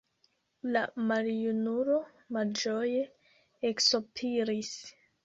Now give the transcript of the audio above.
La maljunulo malĝoje eksopiris.